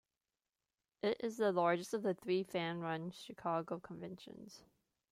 It is the largest of the three fan-run Chicago conventions.